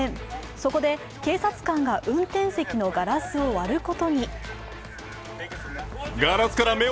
そこで警察官が運転席のガラスを割ることに。